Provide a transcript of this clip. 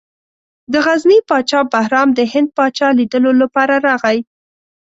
د غزني پاچا بهرام د هند پاچا لیدلو لپاره راغی.